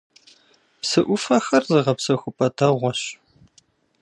Псы Ӏуфэхэр зыгъэпсэхупӀэ дэгъуэщ.